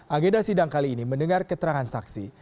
agenda sidang kali ini mendengar keterangan saksi